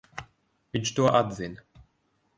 Viņš to atzina.